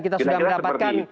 kita sudah mendapatkan